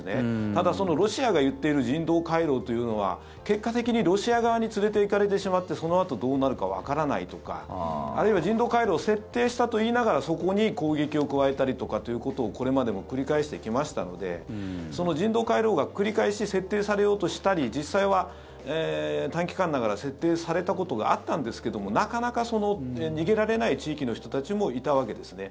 ただ、ロシアが言っている人道回廊というのは結果的にロシア側に連れていかれてしまってそのあとどうなるかわからないとかあるいは人道回廊を設定したと言いながらそこに攻撃を加えたりとかということをこれまでも繰り返してきましたのでその人道回廊が繰り返し設定されようとしたり実際は短期間ながら設定されたことがあったんですがなかなか逃げられない地域の人たちもいたわけですね。